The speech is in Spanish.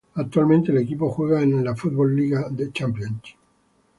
Actualmente, el equipo juega en la Football League Championship.